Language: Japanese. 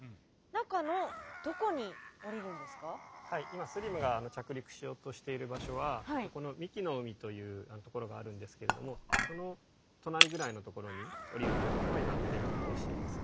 今ＳＬＩＭが着陸しようとしている場所はこの神酒の海というところがあるんですけれどもその隣ぐらいのところに降りるということを今計画をしています。